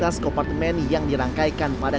tas kompartemen yang dirangkaikan pada